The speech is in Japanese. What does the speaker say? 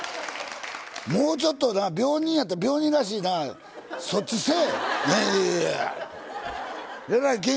もうちょっとな、病人やったら病人らしいな、そっちせい。